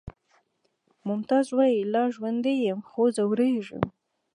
ممتاز وایی لا ژوندی یم خو ځورېږم